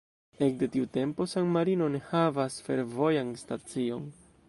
Ekde tiu tempo San-Marino ne havas fervojan stacion.